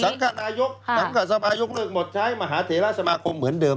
นายกสังขสภายกเลิกหมดใช้มหาเถระสมาคมเหมือนเดิม